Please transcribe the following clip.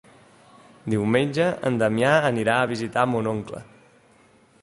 Diumenge en Damià anirà a visitar mon oncle.